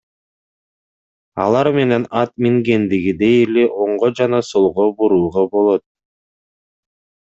Алар менен ат мингендегидей эле оңго жана солго бурууга болот.